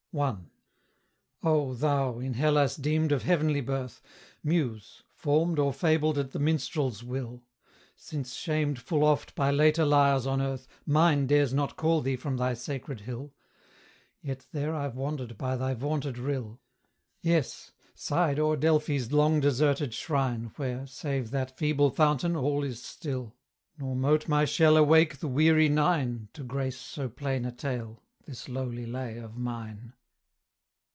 I. Oh, thou, in Hellas deemed of heavenly birth, Muse, formed or fabled at the minstrel's will! Since shamed full oft by later lyres on earth, Mine dares not call thee from thy sacred hill: Yet there I've wandered by thy vaunted rill; Yes! sighed o'er Delphi's long deserted shrine Where, save that feeble fountain, all is still; Nor mote my shell awake the weary Nine To grace so plain a tale this lowly lay of mine.